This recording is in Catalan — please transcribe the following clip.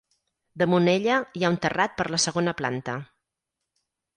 Damunt ella hi ha un terrat per la segona planta.